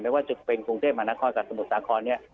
ว่าจะเป็นกรุงเทพมหานครกับสมุทรสาครเนี่ย